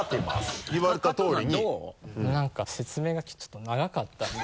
なんか説明がちょっと長かったんで。